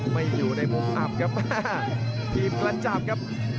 ไม่อยู่ในมุมอับครับทีมกระจับครับ